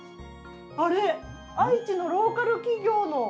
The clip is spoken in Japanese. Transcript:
あれ、愛知のローカル企業の。